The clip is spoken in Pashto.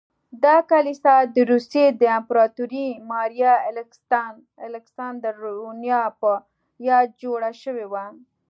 دا کلیسا د روسیې د امپراتورې ماریا الکساندرونا په یاد جوړه شوې وه.